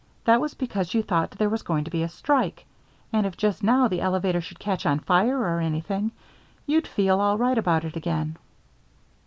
That was because you thought there was going to be a strike. And if just now the elevator should catch on fire or anything, you'd feel all right about it again."